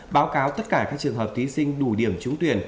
báo cáo tất cả các trường hợp thí sinh đủ điểm trúng tuyển